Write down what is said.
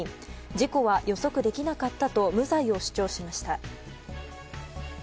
事故は予測できなかったと無罪を主張しました。